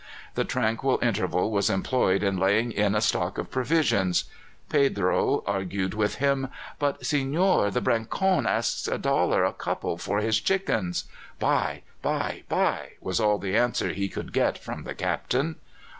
The tranquil interval was employed in laying in a stock of provisions. Pedro argued with him. "But, signore, the Brencone asks a dollar a couple for his chickens!" "Buy, buy, buy!" was all the answer he could get from the Captain.